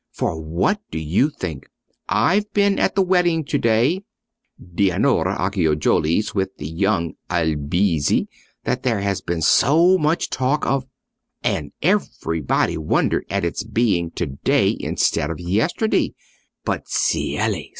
For what do you think? I've been at the wedding to day—Dianora Acciajoli's with the young Albizzi that there has been so much talk of—and everybody wondered at its being to day instead of yesterday; but, cieli!